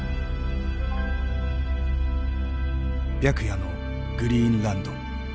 白夜のグリーンランド。